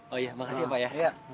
oh iya makasih ya pak ya